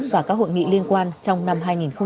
và các hội nghị liên quan trong năm hai nghìn hai mươi